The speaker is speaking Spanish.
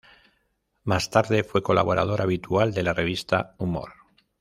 Más tarde fue colaborador habitual de la revista "Humor".